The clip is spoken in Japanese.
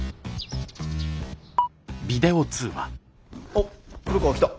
おっ黒川来た。